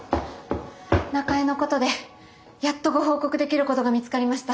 中江のことでやっとご報告できることが見つかりました。